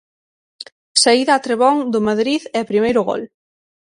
Saída a trebón do Madrid e primeiro gol.